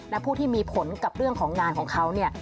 และผู้ที่มีผลกับเรื่องของงานของเขาเนี่ย